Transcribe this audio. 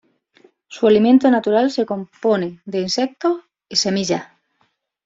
Su alimento natural se compone de insectos y semillas.